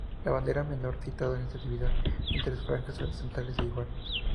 La bandera menor citada está dividida en tres franjas horizontales de igual.